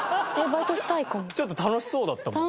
ちょっと楽しそうだったもんね。